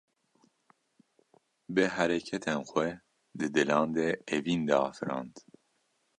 Bi hereketên xwe, di dilan de evîn diafirand